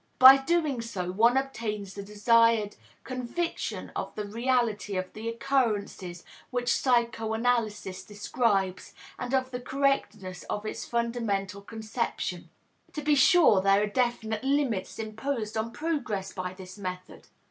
By so doing one obtains the desired conviction of the reality of the occurrences which psychoanalysis describes and of the correctness of its fundamental conception. To be sure, there are definite limits imposed on progress by this method.